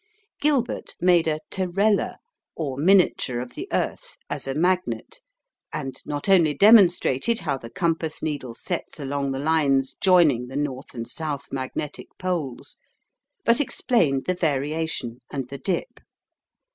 Gilbert made a "terella," or miniature of the earth, as a magnet, and not only demonstrated how the compass needle sets along the lines joining the north and south magnetic poles, but explained the variation and the dip.